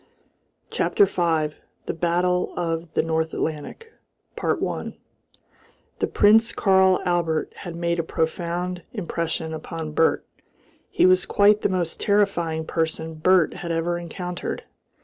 CHAPTER V. THE BATTLE OF THE NORTH ATLANTIC 1 The Prince Karl Albert had made a profound impression upon Bert. He was quite the most terrifying person Bert had ever encountered.